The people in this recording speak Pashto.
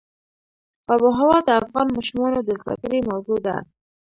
آب وهوا د افغان ماشومانو د زده کړې موضوع ده.